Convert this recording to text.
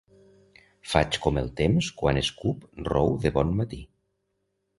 Faig com el temps quan escup rou de bon matí.